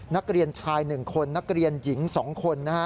นักเรียนชาย๑คนนักเรียนหญิง๒คนนะฮะ